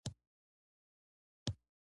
مشوره له چا واخلو؟